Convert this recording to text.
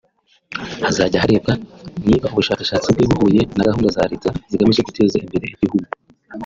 hazajya harebwa niba ubushakashatsi bwe buhuye na gahunda za Leta zigamije guteza imbere igihugu